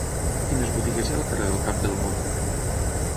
Quines botigues hi ha al carrer del Cap del Món?